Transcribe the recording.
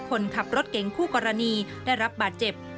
คนขับรถเก๋งคู่กรณีได้รับบาดเจ็บ